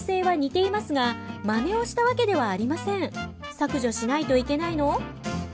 削除しないといけないの？